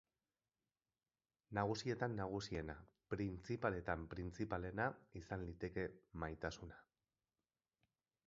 Nagusietan nagusiena, printzipaletan printzipalena, izan liteke, maitasuna.